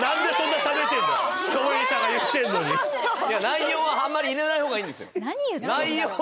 内容はあんまり入れないほうがいいんですよ。